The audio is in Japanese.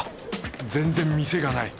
全然店がない。